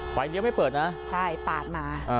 ไฟล์เดียวไม่เปิดนะใช่ปาดมา